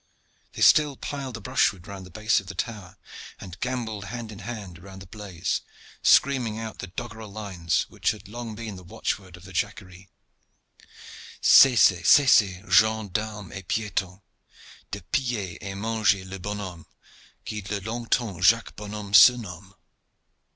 They still piled the brushwood round the base of the tower, and gambolled hand in hand around the blaze, screaming out the doggerel lines which had long been the watchword of the Jacquerie: Cessez, cessez, gens d'armes et pietons, De piller et manger le bonhomme Qui de longtemps Jacques Bonhomme Se nomme.